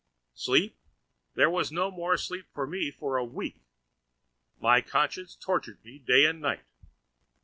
Sleep! There was no more sleep for me for a week. My conscience tortured me day and night.